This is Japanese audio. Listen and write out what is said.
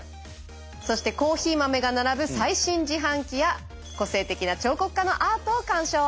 そしてコーヒー豆が並ぶ最新自販機や個性的な彫刻家のアートを鑑賞。